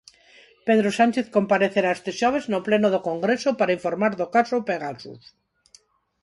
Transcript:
Pedro Sánchez comparecerá este xoves no pleno do Congreso para informar do caso Pegasus.